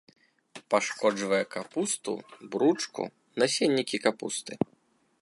Пашкоджвае капусту, бручку, насеннікі капусты.